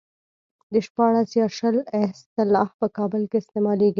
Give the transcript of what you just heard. د شپاړس يا شل اصطلاح په کابل کې استعمالېږي.